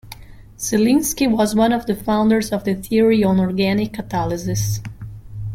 Zelinsky was one of the founders of theory on organic catalysis.